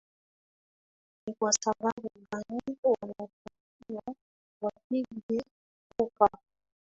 ni kwa sababu gani wanatakiwa wapige kura